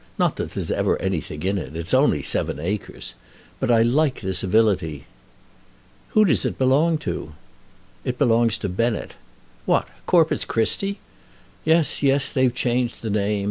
Not that there's ever anything in it. It's only seven acres. But I like the civility." "Who does it belong to?" "It belongs to Benet." "What; Corpus Christi?" "Yes, yes; they've changed the name.